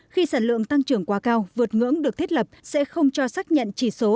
khi sản lượng tăng trưởng quá cao vượt ngưỡng được thiết lập sẽ không cho xác nhận chỉ số